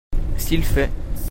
S'il fait.